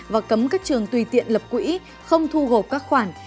và cấm các trường tùy tiện lập quỹ không thu gộp các khoản